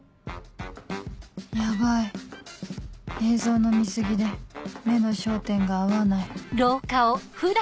ヤバい映像の見過ぎで目の焦点が合わない